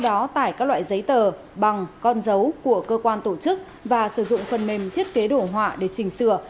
nó tải các loại giấy tờ bằng con dấu của cơ quan tổ chức và sử dụng phần mềm thiết kế đổ họa để trình sửa